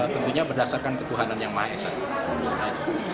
tentunya berdasarkan ketuhanan yang maha esanya